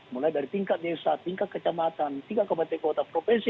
mulai dari tingkat desa tingkat kecamatan tingkat kekuatan provinsi